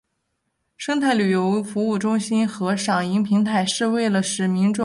生态旅游服务中心和赏鹰平台是为了使民众能更解八卦山生态所设。